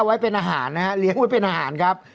ไว้ป็นอาหารนะครับ